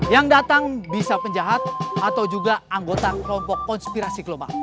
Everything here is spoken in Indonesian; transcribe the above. yang datang bisa penjahat atau juga anggota kelompok konspirasi global